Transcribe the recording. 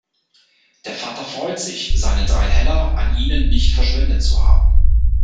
Der Vater freut sich, seine drei Heller an ihnen nicht verschwendet zu haben.